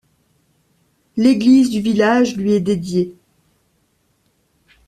L'église du village lui est dédiée.